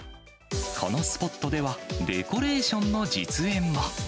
このスポットでは、デコレーションの実演も。